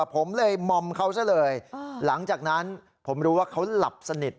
ผมเลยมอมเขาซะเลยหลังจากนั้นผมรู้ว่าเขาหลับสนิท